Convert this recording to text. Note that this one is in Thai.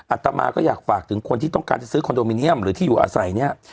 อัตมาก็อยากฝากถึงคนที่ต้องการจะซื้อคอนโดมิเนียมหรือที่อยู่อาศัยเนี่ย